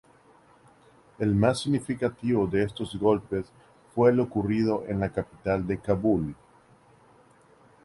El más significativo de estos golpes fue el ocurrido en la capital, Kabul.